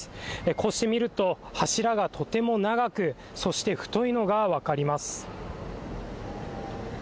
こうして見ると柱がとても長くそして太いのが分かります。